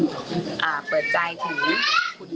อยากให้สังคมรับรู้ด้วย